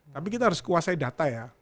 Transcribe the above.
tapi kita harus kuasai data ya